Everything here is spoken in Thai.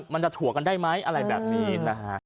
มันจะถั่วกันได้ไหมอะไรแบบนี้นะฮะ